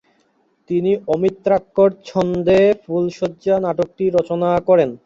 তিনি অমিত্রাক্ষর ছন্দে ফুলশয্যা নাটকটি রচনা করেন।